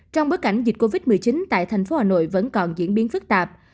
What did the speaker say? trong bối cảnh dịch covid một mươi chín tại thành phố hà nội vẫn còn diễn biến phức tạp